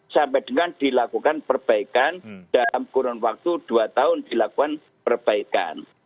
sampai dengan dilakukan perbaikan dalam kurun waktu dua tahun dilakukan perbaikan